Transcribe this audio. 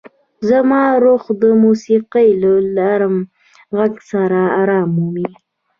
زما روح د موسیقۍ له نرم غږ سره ارام مومي.